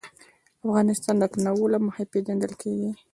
افغانستان د تنوع له مخې پېژندل کېږي.